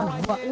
ini ada dua